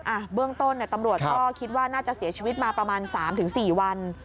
อ่ะเบื้องต้นเนี่ยตำรวจก็คิดว่าน่าจะเสียชีวิตมาประมาณ๓๔วัน